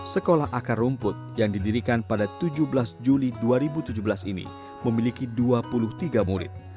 sekolah akar rumput yang didirikan pada tujuh belas juli dua ribu tujuh belas ini memiliki dua puluh tiga murid